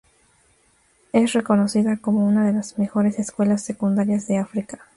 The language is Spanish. Es reconocida como una de las mejores escuelas secundarias de África.